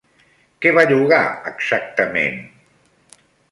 Què va llogar exactament?